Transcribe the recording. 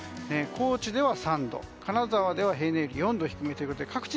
高知では３度、金沢では平年より４度低めということです。